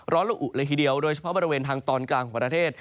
ละอุเลยทีเดียวโดยเฉพาะบริเวณทางตอนกลางของประเทศ